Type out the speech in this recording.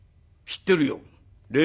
「知ってるよ。